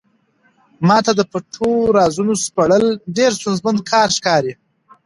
ما ته د پټو رازونو سپړل ډېر ستونزمن کار ښکاري.